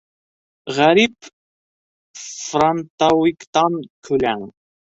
Ғәрип франтауиктан көләң!